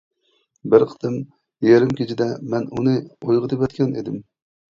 بىر قېتىم، يېرىم كېچىدە مەن ئۇنى ئويغىتىۋەتكەن ئىدىم.